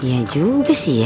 ya juga sih ya